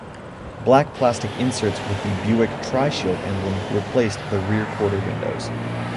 Black plastic inserts with the Buick trishield emblem replaced the rear quarter windows.